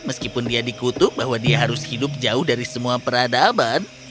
meskipun dia dikutuk bahwa dia harus hidup jauh dari semua peradaban